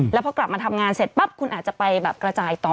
แล้วพอกลับมาทำงานเสร็จปั๊บคุณอาจจะไปแบบกระจายต่อ